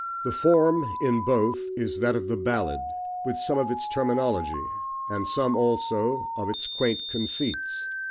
The form in both is that of the ballad, with some of its terminology, and some also of its quaint conceits.